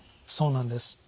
そうなんです。